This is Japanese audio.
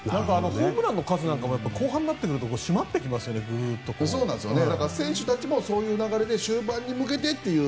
ホームランの数も後半になってくると選手たちもそういう流れで終盤に向けてという。